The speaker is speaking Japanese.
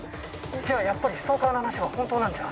じゃあやっぱりストーカーの話は本当なんじゃ。